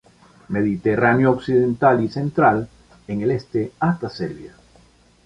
Mediterráneo occidental y central, en el este hasta Serbia.